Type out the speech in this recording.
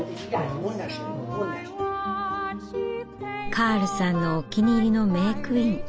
カールさんのお気に入りのメークイン。